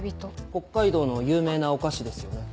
北海道の有名なお菓子ですよね。